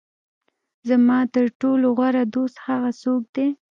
زما تر ټولو غوره دوست هغه څوک دی.